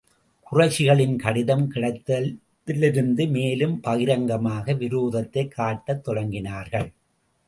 குறைஷிகளின் கடிதம் கிடைத்ததிலிருந்து மேலும் பகிரங்கமாக விரோதத்தைக் காட்டத் தொடங்கினார்கள்.